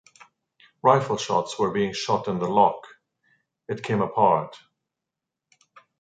Rifle shots were being shot in the lock: it came apart.